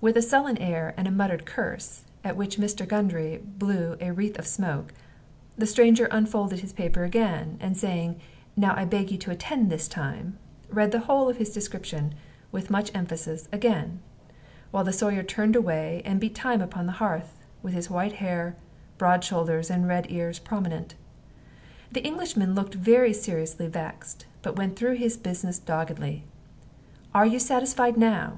With a sullen air and a muttered curse, at which Mr. Gundry blew a wreath of smoke, the stranger unfolded his paper again, and saying, "Now I beg you to attend this time," read the whole of his description, with much emphasis, again, while the Sawyer turned away and beat time upon the hearth, with his white hair, broad shoulders, and red ears prominent. The Englishman looked very seriously vexed, but went through his business doggedly. "Are you satisfied now?"